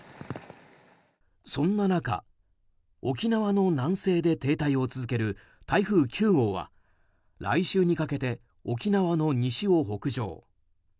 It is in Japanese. そんな中、沖縄の南西で停滞を続ける台風９号は来週にかけて沖縄の西を北上。